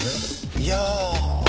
いや。